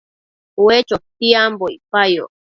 Ue chotiambo icpayoc